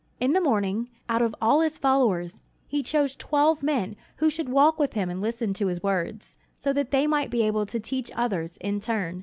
In the morning, out of all his followers, he chose twelve men who should walk with him and listen to his words, so that they might be able to teach others in turn.